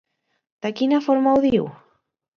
De quina forma ho diu?